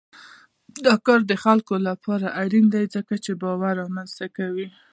دا کار د خلکو لپاره اړین ځان باور رامنځته کوي.